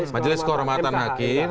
majelis kehormatan hakim